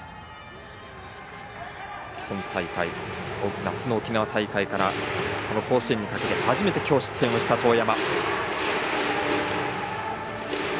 夏の沖縄大会からこの甲子園にかけて今日初めて、失点をした當山。